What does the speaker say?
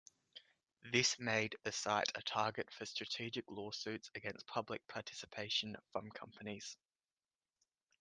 This made the site a target for strategic lawsuits against public participation from companies.